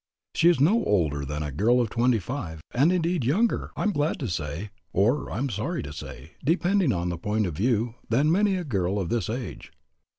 She is no older than a girl of twenty five, and indeed younger, I am glad to say, or I am sorry to say, depending upon the point of view, than many a girl of this age.